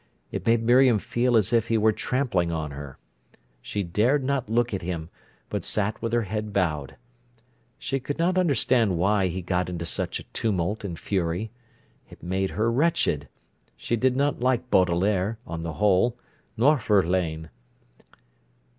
It made Miriam feel as if he were trampling on her. She dared not look at him, but sat with her head bowed. She could not understand why he got into such a tumult and fury. It made her wretched. She did not like Baudelaire, on the whole—nor Verlaine.